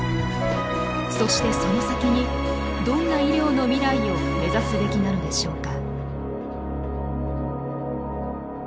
そしてその先にどんな医療の未来を目指すべきなのでしょうか。